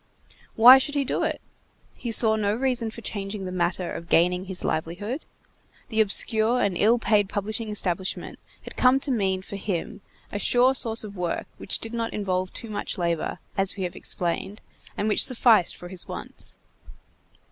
Why should he do it? He saw no reason for changing the manner of gaining his livelihood! The obscure and ill paid publishing establishment had come to mean for him a sure source of work which did not involve too much labor, as we have explained, and which sufficed for his wants.